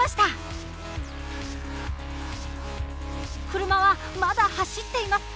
車はまだ走っています。